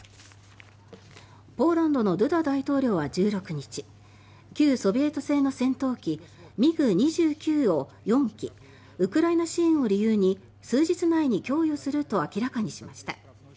ポーランドのドゥダ大統領は１６日旧ソビエト製の戦闘機ＭｉＧ２９を４機ウクライナ支援を理由に数日内に供与すると明らかにしました。